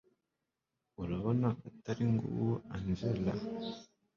urabona atari nguwo angella